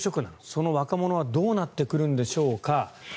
その若者はどうなってくるんでしょうか。